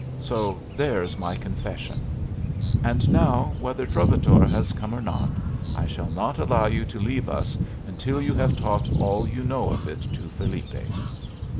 So there's my confession! And now, whether 'Trovatore' has come or not, I shall not allow you to leave us until you have taught all you know of it to Felipe."